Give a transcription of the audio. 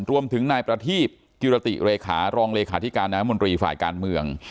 รวมถึงนายประทีบกิรติเลขารองเลขาธิการน้ำมนตรีฝ่ายการเมือง